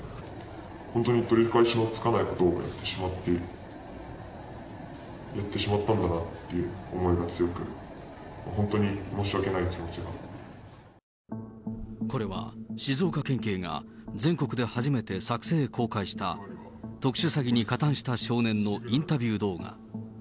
本当に取り返しのつかないことをやってしまったんだなって思いが強く、これは、静岡県警が全国で初めて作成・公開した、特殊詐欺に加担した少年のインタビュー動画。